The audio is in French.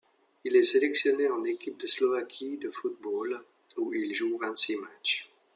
Il est sélectionné en équipe de Slovaquie de football où il joue vingt-six matches.